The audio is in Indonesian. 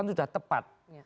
mbak puan sudah tepat